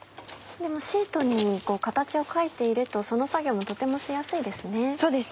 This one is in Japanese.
シートに形を描いているとその作業もとてもしやすいですね。